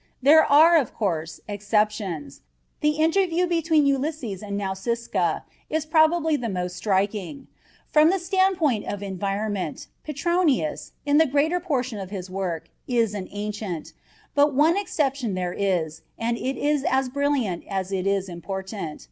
There are, of course, exceptions; the interview between Ulysses and Nausiskaa is probably the most striking. From the standpoint of environment, Petronius, in the greater portion of his work, is an ancient; but one exception there is, and it is as brilliant as it is important.